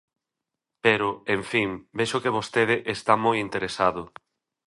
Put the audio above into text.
Pero, en fin, vexo que vostede está moi interesado.